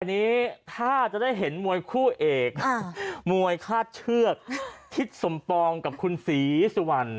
อันนี้ถ้าจะได้เห็นมวยคู่เอกมวยคาดเชือกทิศสมปองกับคุณศรีสุวรรณ